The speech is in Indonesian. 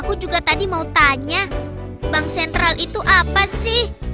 aku juga tadi mau tanya bank sentral itu apa sih